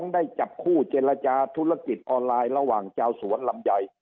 ได้จับคู่เจรจาธุรกิจออนไลน์ระหว่างชาวสวนลำไย